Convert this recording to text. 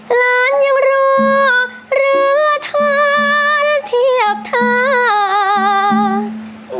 หลานยังรอเรือท้อนเทียบทาง